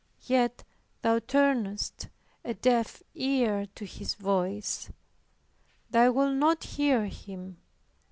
Yet thou turnest a deaf ear to His voice; thou wilt not hear Him.